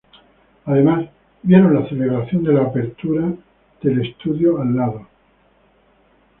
Además, vieron la celebración de la apertura de Walt Disney Studios al lado.